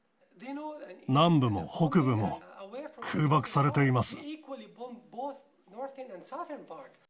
南部も北部も空爆されています。